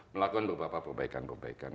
melakukan beberapa perbaikan perbaikan